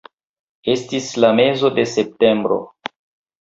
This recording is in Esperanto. Estis la mezo de septembro.